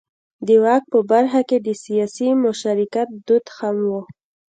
د واک په برخه کې د سیاسي مشارکت دود هم و.